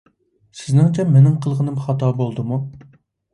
سىزنىڭچە، مېنىڭ قىلغىنىم خاتا بولدىمۇ؟